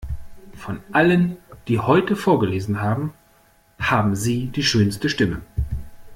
Von allen, die heute vorgelesen haben, haben Sie die schönste Stimme.